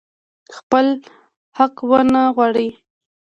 خپل حق ونه غواړي.